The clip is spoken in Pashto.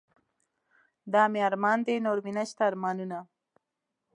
دا مې ارمان دے نور مې نشته ارمانونه